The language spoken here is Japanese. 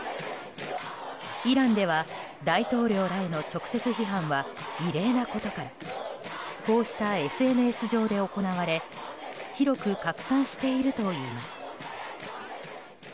イランでは大統領らへの直接批判は異例なことからこうしたＳＮＳ上で行われ広く拡散しているといいます。